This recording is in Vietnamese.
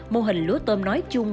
mô hình lúa tôm nói chung